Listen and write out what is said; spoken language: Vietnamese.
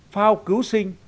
phao cứu sinh